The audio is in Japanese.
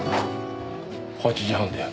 ８時半だよ。